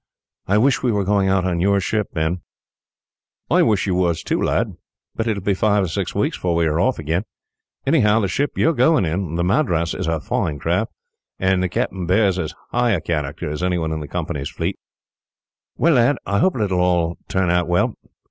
"I wish we were going out in your ship, Ben." "I wish you was, lad; but it will be five or six weeks before we are off again. Anyhow, the ship you are going in the Madras is a fine craft, and the captain bears as high a character as anyone in the Company's fleet. "Well, lad, I hope that it will all turn out well.